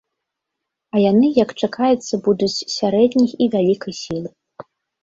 А яны, як чакаецца, будуць сярэдняй і вялікай сілы.